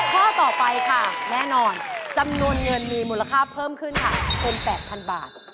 ข้อต่อไปค่ะแน่นอนจำนวนเงินมีมูลค่าเพิ่มขึ้นค่ะเป็น๘๐๐๐บาท